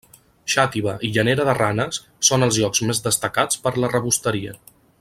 Xàtiva i Llanera de Ranes són els llocs més destacats per a la rebosteria.